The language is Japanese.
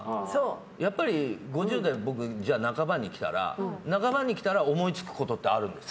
やっぱり、５０代半ばに来たら思いつくことってあるんですよ。